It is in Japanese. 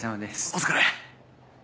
お疲れ。